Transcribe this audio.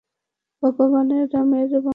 ভগবানের রামের বংশের।